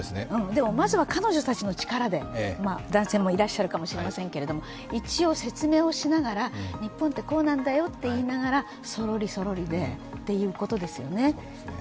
でも、まずは彼女たちの力で男性もいるかもしれませんが、一応説明をしながら、日本ってこうなんだよと言いながらそろりそろりでということですよね。